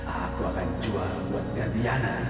aku akan jual buat gantian